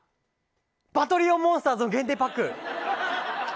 バトリオンモンスターズの限定パック。